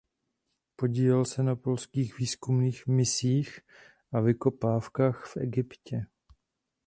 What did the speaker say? Podílel se na polských výzkumných misích a vykopávkách v Egyptě.